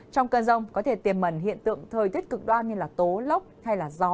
trong cơn rông có thể tiềm mẩn hiện tượng thời tiết cực đoan như tố lốc hay gió